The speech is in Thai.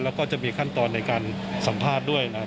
แล้วก็จะมีขั้นตอนในการสัมภาษณ์ด้วยนะครับ